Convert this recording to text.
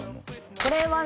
これはね